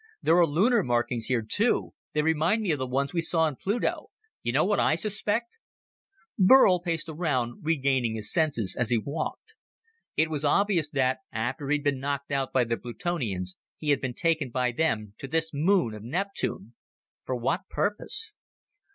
There are lunar markings here, too they remind me of the ones we saw on Pluto. You know what I suspect?" Burl paced around, regaining his senses as he walked. It was obvious that, after he'd been knocked out by the Plutonians, he had been taken by them to this moon of Neptune. For what purpose?